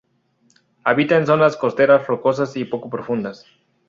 Habita en zonas costeras rocosas y poco profundas.